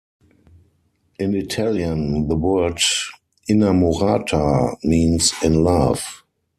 In Italian, the word "innamorata" means "in love".